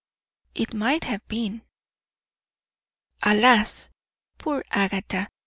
"It might have been." "Alas! poor Agatha!